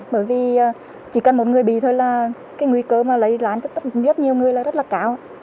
bởi vì chỉ cần một người bị thôi là cái nguy cơ mà lây lan cho tất nhiều người là rất là cao